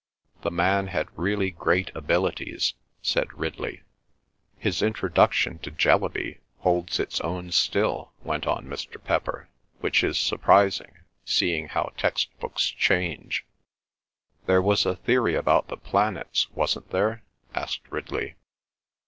"The man had really great abilities," said Ridley. "His introduction to Jellaby holds its own still," went on Mr. Pepper, "which is surprising, seeing how text books change." "There was a theory about the planets, wasn't there?" asked Ridley.